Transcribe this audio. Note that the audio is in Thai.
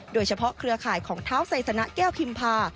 โดยเฉพาะเครื่อข่ายของเท้าใสษนะแก้วพิมพา